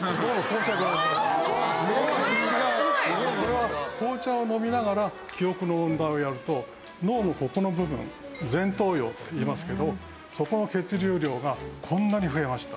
これは紅茶を飲みながら記憶の問題をやると脳のここの部分前頭葉っていいますけどそこの血流量がこんなに増えました。